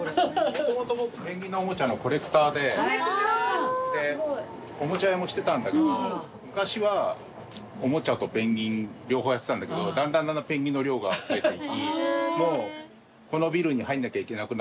もともとペンギンのおもちゃのコレクターででおもちゃ屋もしてたんだけど昔はおもちゃとペンギン両方やってたんだけどだんだんだんだんペンギンの量が増えていき。